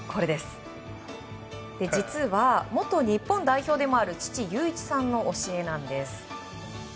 実は、元日本代表でもある父・裕一さんの教えなんです。